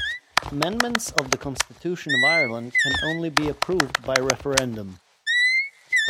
Amendments of the Constitution of Ireland can only be approved by referendum.